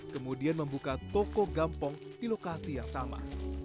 kemudian membuka toko gampong di lokasi yang sama